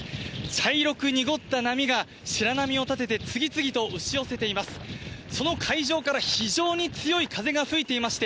茶色く濁った波が白波を立てて次々と押し寄せています。